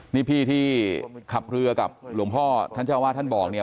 นี่พี่ที่ขับเรือกับหลวงพ่อท่านเจ้าวาดท่านบอกเนี่ย